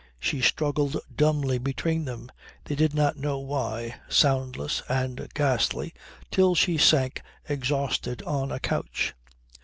She struggled dumbly between them, they did not know why, soundless and ghastly, till she sank exhausted on a couch.